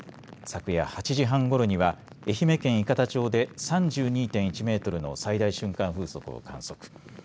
昨夜８時半ごろには愛媛県伊方町で３２．１メートルの最大瞬間風速を観測。